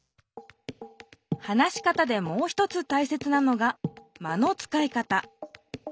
話し方でもう一つたいせつなのが「間のつかい方」。